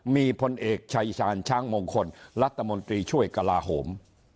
มีพลเอกชายชาญช้างมงคลรัฐมนตรีช่วยกลาโหม